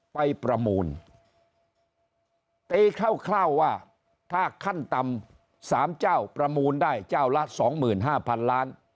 ไปประมูลตีเข้าเข้าว่าถ้าขั้นตำสามเจ้าประมูลได้เจ้าละสองหมื่นห้าพันล้าน